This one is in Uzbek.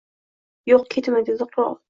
Yo‘q, ketma! — dedi qirol.